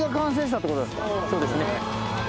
そうですね。